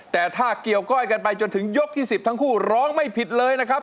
แต่ถ้าเกี่ยวก้อยกันไปจนถึงยกที่๑๐ทั้งคู่ร้องไม่ผิดเลยนะครับ